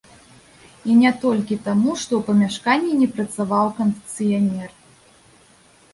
І не толькі таму, што ў памяшканні не працаваў кандыцыянер.